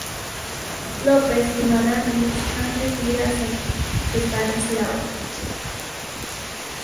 López y Madame Lynch antes de ir a San Estanislao.